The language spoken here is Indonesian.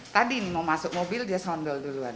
tadi mau masuk mobil dia serondol duluan